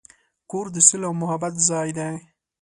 کور د سولې او محبت ځای دی.